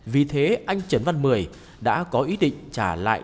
vì thế anh trấn văn mười đã có ý định trả lại